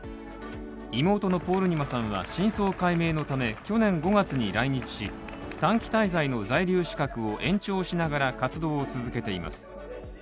妹のポールニマさんは真相解明のため去年５月に来日し短期滞在の在留資格を延長しながら活動を続けています。